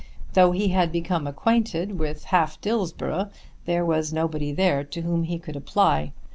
Though he had become acquainted with half Dillsborough, there was nobody there to whom he could apply.